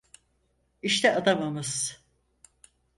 İşte adamımız.